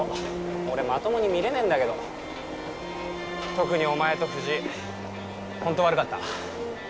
俺まともに見れねえんだけど特にお前と藤井ホント悪かった